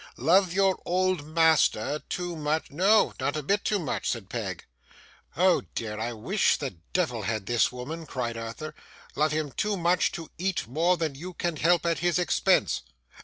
'Love your old master too much ' 'No, not a bit too much,' said Peg. 'Oh, dear, I wish the devil had this woman!' cried Arthur: 'love him too much to eat more than you can help at his expense.